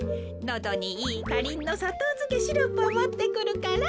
のどにいいカリンのさとうづけシロップをもってくるから。